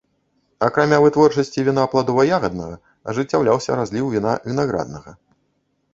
Акрамя вытворчасці віна пладова-ягаднага ажыццяўляўся разліў віна вінаграднага.